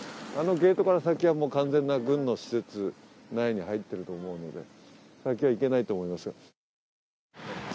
あのゲートから先は完全な軍の施設内に入っていると思うので先は行けないと思います。